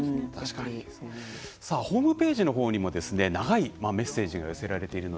ホームページのほうにも長いメッセージが寄せられています。